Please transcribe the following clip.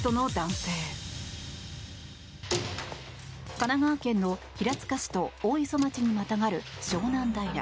神奈川県の平塚市と大磯町にまたがる湘南平。